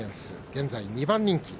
現在、２番人気。